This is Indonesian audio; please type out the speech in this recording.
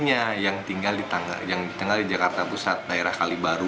yang tinggal di jakarta pusat daerah kalibaru